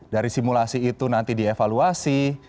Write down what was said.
dari simulasi itu nanti dievaluasi